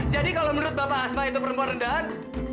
jadi kalau menurut bapak asma itu perempuan rendahan